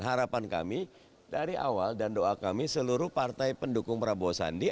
harapan kami dari awal dan doa kami seluruh partai pendukung prabowo sandi